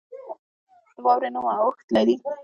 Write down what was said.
د واورې نوم اورښت دی.